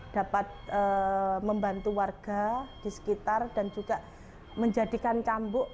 dapat membantu warga di sekitar dan juga menjadikan cambuk